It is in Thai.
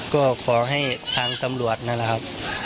ก็ขอให้ทางตำรวจนั่นแหละครับ